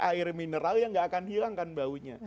saya pakai air mineral yang tidak akan menghilangkan baunya